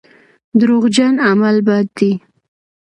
دروغجن عمل بد دی.